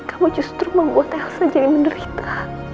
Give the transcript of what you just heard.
kamu justru membuat elsa jadi menderita